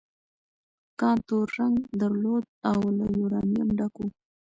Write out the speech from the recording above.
کان تور رنګ درلود او له یورانیم ډک و.